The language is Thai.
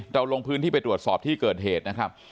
ลงพื้นที่ไปตรวจสอบที่เกิดเหตุนะครับ